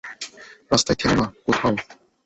রাস্তায় থেমো না, কোথাও।